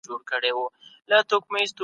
ترانسپورتي اسانتیاوي د توکو لېږد اسانوي.